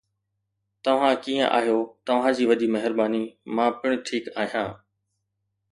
توهان ڪيئن آهيو، توهان جي وڏي مهرباني، مان پڻ ٺيڪ آهيان